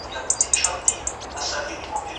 که سياسي ډلي متحدي سي هيواد جوړېږي.